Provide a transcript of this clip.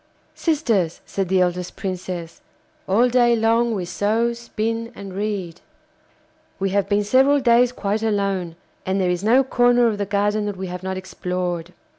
'Sisters,' said the eldest Princess, 'all day long we sew, spin, and read. We have been several days quite alone, and there is no corner of the garden that we have not explored.